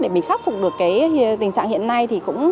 để mình khắc phục được tình trạng hiện nay